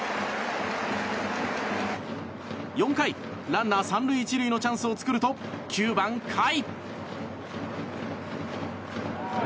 ランナー３塁１塁のチャンスを作ると９番、甲斐。